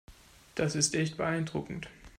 Das ist echt beeindruckend.